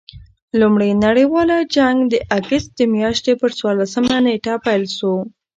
لومړي نړۍوال جنګ د اګسټ د میاشتي پر څوارلسمه نېټه پيل سو.